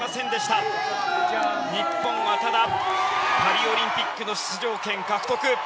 ただ、日本はパリオリンピックの出場権獲得。